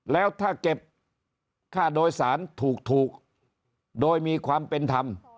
แล้วถ้าเก็บค่าโดยสารถูกโดยมีความเป็นธรรม